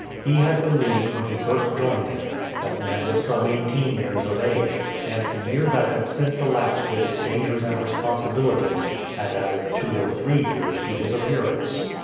He had believed when he first joined him that Ned was some eighteen years of age, and the year that had since elapsed with its dangers and responsibilities had added two or three years to his appearance.